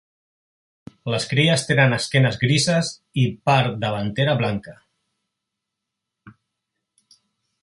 Les cries tenen esquenes grises i part davantera blanca.